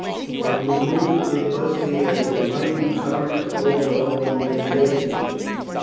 When we move it must be as a mighty torrent to overwhelm the invaders.